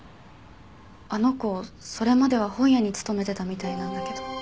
あの子それまでは本屋に勤めてたみたいなんだけど。